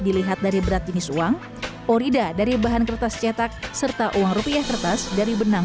dilihat dari berat jenis uang orida dari bahan kertas cetak serta uang rupiah kertas dari benang